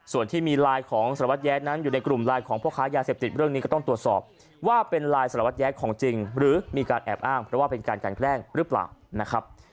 ส่วนที่มีไลน์ของสารวัตรแย้นั้นอยู่ในกลุ่มไลน์ของพ่อค้ายาเสพติดเรื่องนี้ก็ต้องตรวจสอบว่าเป็นไลน์สารวัตรแย้ของจริงหรือมีการแอบอ้างเพราะว่าเป็นการกันแกล้งหรือเปล่านะครับ